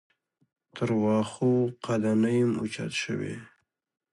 تر واښو قده نه یم اوچت شوی.